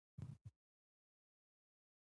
ژوندي ادب زده کوي